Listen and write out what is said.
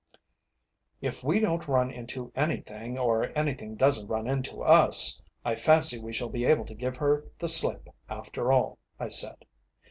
"If we don't run into anything, or anything doesn't run into us, I fancy we shall be able to give her the slip, after all," I said.